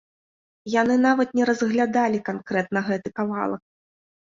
Яны нават не разглядалі канкрэтна гэты кавалак.